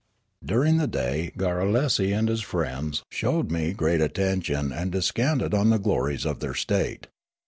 During the day Garrulesi and his friends showed me Sneekape 171 great attention and descanted on the glories of their state.